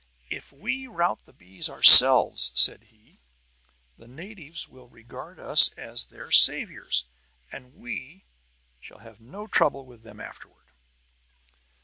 "If we rout the bees ourselves," said he, "the natives will regard us as their saviors, and we shall have no trouble with them afterward."